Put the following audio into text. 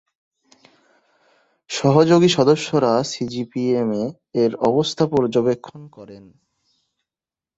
সহযোগী সদস্যরা সিজিপিএমে-এর অবস্থা পর্যবেক্ষণ করেন।